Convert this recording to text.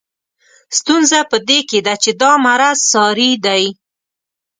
ستونزه په دې کې ده چې دا مرض ساري دی.